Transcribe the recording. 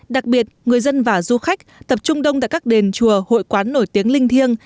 đặc biệt người dân và du khách tập trung đông tại các đền chùa hội quán nổi tiếng linh thiêng